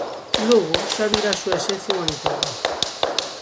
Logo xa virá a súa axencia humanitaria.